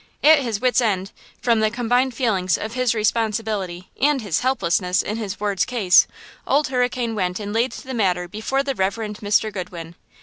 At his wits' end, from the combined feelings of his responsibility and his helplessness in his ward's case, Old Hurricane went and laid the matter before the Rev. Mr. Goodwin.